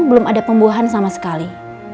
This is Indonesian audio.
belum ada pembuahan sama sekali